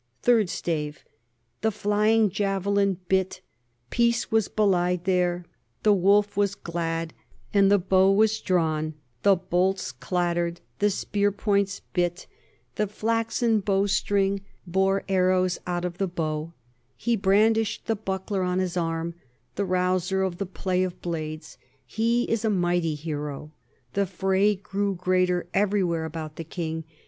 Third Stave: The flying javelin bit, peace was belied there, the wolf was glad, and the bow was drawn, the bolts clat tered, the spear points bit, the flaxen bowstring bore the 1 Corpus Poeticum Soreale, i, p. 265 /. THE COMING OF THE NORTHMEN 41 arrows out of the bow. He brandished the buckler on his arm, the rouser of the play of blades he is a mighty hero. The fray grew greater everywhere about the king.